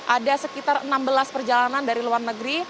ada sekitar enam belas perjalanan dari luar negeri